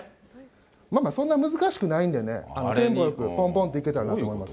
まあまあ、そんな難しくないんでね、テンポよく、ぽんぽんっていけたらと思います。